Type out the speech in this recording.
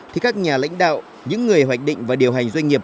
thì các nhà lãnh đạo những người hoạch định và điều hành doanh nghiệp